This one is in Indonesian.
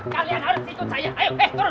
kalian harus ikut saya